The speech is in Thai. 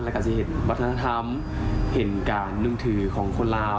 แล้วก็จะเห็นวัฒนธรรมเห็นการนึกถึงของคนลาว